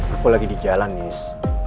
aku lagi di jalan nis